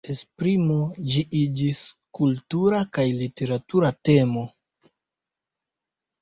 Kiel esprimo ĝi iĝis kultura kaj literatura temo.